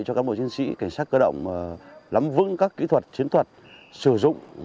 cho cán bộ chiến sĩ cảnh sát cơ động lắm vững các kỹ thuật chiến thuật sử dụng